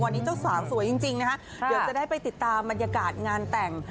วันนี้เจ้าสาวสวยจริงนะคะเดี๋ยวจะได้ไปติดตามบรรยากาศงานแต่ง